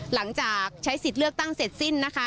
หลังจากใช้สิทธิ์เลือกตั้งเสร็จสิ้นนะคะ